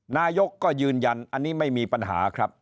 นายกก็ยืนยันอันนี้ไม่มีปัญหาครับ